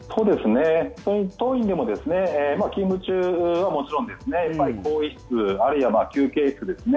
当院でも勤務中はもちろん更衣室あるいは休憩室ですね。